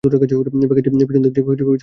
প্যাকেজটি পিছন দিক দিয়ে নিয়ে যাচ্ছে।